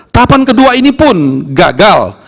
tahapan kedua ini pun gagal